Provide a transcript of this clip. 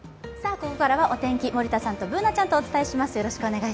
ここからはお天気、森田さんとＢｏｏｎａちゃんとお伝えします。